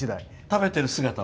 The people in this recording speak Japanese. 食べてる姿。